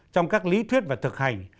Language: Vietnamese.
trong các lý thuyết và thực hành